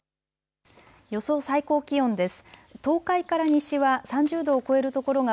予想最高気温です。